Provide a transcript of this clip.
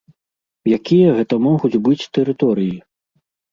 Якія гэта могуць быць тэрыторыі?